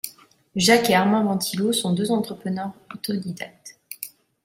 Jacques et Armand Ventilo sont deux entrepreneurs autodidactes.